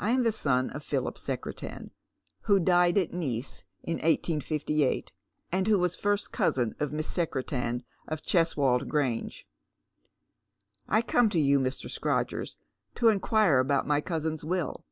I am the son of Philip Secretan, who died at Nice in 1858, and who was first cousin of Miss Secretan of Cheswold Grange. I come to you, Mr. Scrodgers, to inquire about my cousin's will.